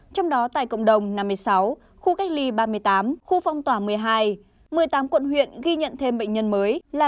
trong đó tại cộng đồng năm mươi sáu khu cách ly ba mươi tám khu phong tỏa một mươi hai một mươi tám quận huyện ghi nhận thêm bệnh nhân mới là